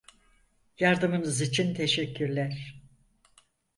Yardımınız için teşekkürler.